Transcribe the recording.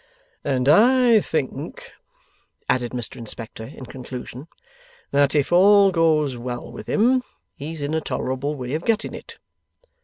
'And I think,' added Mr Inspector, in conclusion, 'that if all goes well with him, he's in a tolerable way of getting it.